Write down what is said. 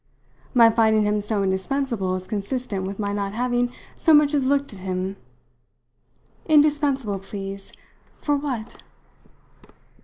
My finding him so indispensable is consistent with my not having so much as looked at him. Indispensable, please, for what?"